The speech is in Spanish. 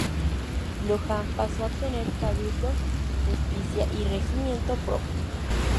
Luján pasó a tener Cabildo, Justicia y Regimiento propio.